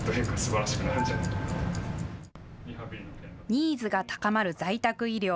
ニーズが高まる在宅医療。